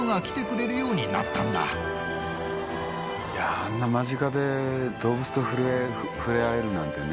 あんな間近で動物と触れ合えるなんてね。